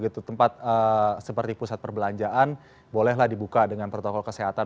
tempat seperti pusat perbelanjaan bolehlah dibuka dengan protokol kesehatan